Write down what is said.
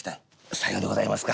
「さようでございますか。